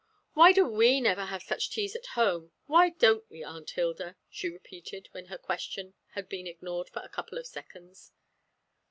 "Why do we never have such nice teas at home? Why don't we, Aunt Hilda?" she repeated, when her question had been ignored for a couple of seconds.